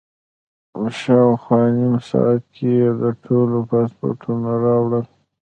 شاوخوا نیم ساعت کې یې د ټولو پاسپورټونه راوړل.